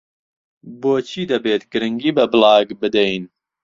بۆچی دەبێت گرنگی بە بڵاگ بدەین؟